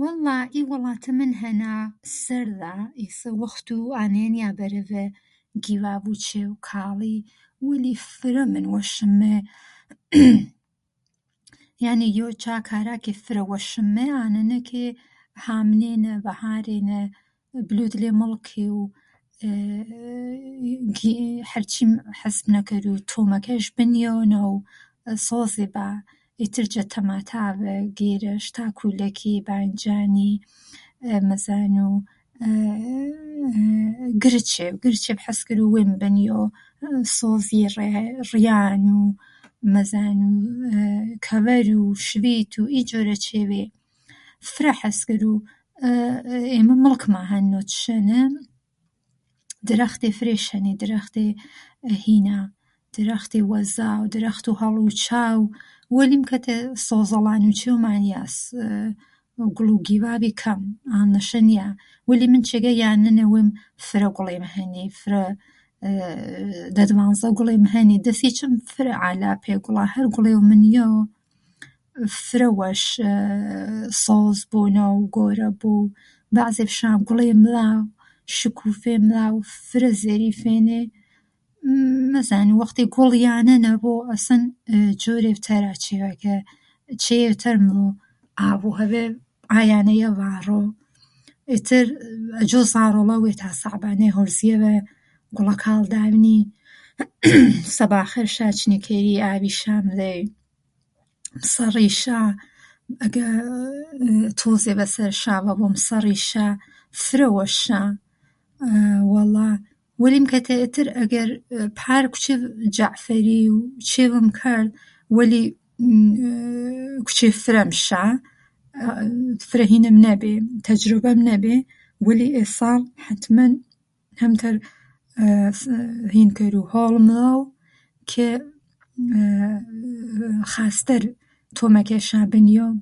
وەڵا ئی وەڵاتە من هەنا سەرذا، ئێتر وەختوو ئانەیە نیا کە بەرەڤە گیڤاڤوو چێڤ کاڵی وەلی فرە من وەشم مەی. یانێڤ یۆ جا کارا کە من وەشم مەی ئانەنە کە هامنێنە ڤەهارێنە بلوو دلێ مڵکی و هەرچی حەز کەروو تۆمەکەیش بنیۆنە و سۆزێ با ئیت جە تەماتاڤە گێرەش تا کوولەکێ باینجانی مەزانوو گرچێڤ گرچێڤ حەز کەروو وێم بنیەو سۆزی، ریان، ئم ئم مەزانوو کەڤەروو شڤیت و ئی جۆرە چێڤێ. فرە حەز کەروو، ئێمە ئا ئا مڵکما هەن نۆتشەنە، رەختێ فریش هەنێ، درەختێ ئێ هینا، درەختێ وەزا و درەختێ هەڵووچا و، وەلیمکەتەی سەوزەلانیو چێڤما نیا ئەسڵەن گوڵوو گیڤاڤی کەم، ئاننەشە نیا، وەلی من چێگە یانەنە وێم فرە گوڵێم هەنێ فرە ئەئە دە دڤانزە گولێم هەنێ دەسیچم فرە عالا پەی گوڵا هەر گوڵێڤ منیەو فرە وەش سۆز بۆنە و گەورە بۆ و بەعزێڤشا گوڵی مذا و شۆکووفێ مذا و فرە زەریفێنێ. مەزانوو وەختێڤ گول یانەنە بۆ ئەسڵەن ێ، جۆرێڤ تەرا چێڤەکە، چێڤێڤ تەر بۆ، ئاڤوو هەڤاو ئا یانەیە ڤاڕۆ. ئتر ئرجۆت زارۆڵەو وێتا ساحبێڤ هۆرزیەڤە گوڵەکاذ لاڤنی سەباخێرشا چنی کەری ئاڤیشا مذەی، سەڕێشا، ئەگەر تۆزێڤە سەرشاڤە بۆ مسەڕیشا، فرە وەشا. وەلیمکەتەی جەعفەری و چێڤم کەرذ وەلی ئێ ئێ کوچێڤ فرەم شا، ئا فرە هینم نەبێ تەجروبەم نەبێ وەلی ئێساڵ حەتمەن هەمتەر ئێ هین کەروو هۆڵ مذەو کە خاستەر تۆمەکەیشا بنیەو